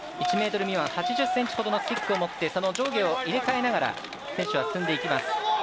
１ｍ未満、８０ｃｍほどのスティックを持ってその上下を入れ替えながら選手は進んでいきます。